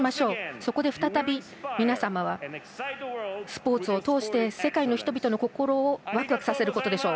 そこで再び、皆様はスポーツを通して世界の人々の心をワクワクさせることでしょう。